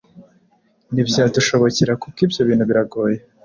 ntibyadushobokera kuko ibyo bintu biragoye